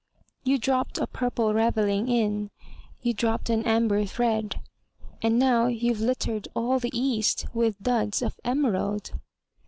You dropped a Purple Ravelling in You dropped an Amber thread And now you've littered all the east With Duds of Emerald!